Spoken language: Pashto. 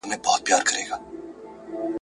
چا یې پښې چا ګودړۍ ورمچوله ,